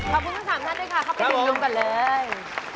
ขอบคุณทั้ง๓ท่านด้วยค่ะเข้าไปดูกันก่อนเลย